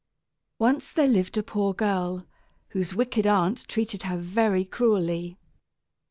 ] Once there lived a poor girl whose wicked aunt treated her very cruelly.